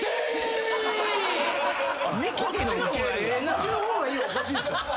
こっちの方がいいはおかしいっすよ。